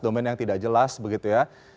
domain yang tidak jelas begitu ya